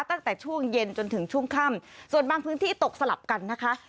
ตั้งแต่ช่วงเย็นจนถึงช่วงค่ำส่วนบางพื้นที่ตกสลับกันนะคะ